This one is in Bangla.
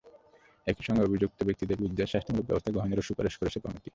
একই সঙ্গে অভিযুক্ত ব্যক্তিদের বিরুদ্ধে শাস্তিমূলক ব্যবস্থা গ্রহণেরও সুপারিশ করেছে কমিটি।